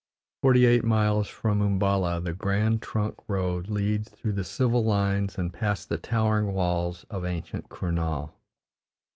Forty eight miles from Umballa the Grand Trunk road leads through the civil lines and past the towering walls of ancient Kurnaul.